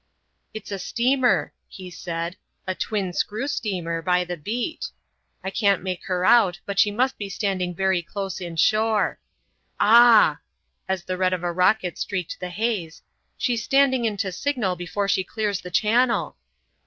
"It's a steamer," he said,—"a twin screw steamer, by the beat. I can't make her out, but she must be standing very close in shore. Ah!" as the red of a rocket streaked the haze, "she's standing in to signal before she clears the Channel."